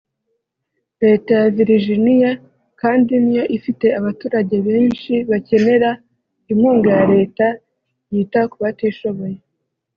Leta ya Viriginia kandi ni yo ifite abaturage benshi bakenera inkunga ya Leta yita ku batishoboye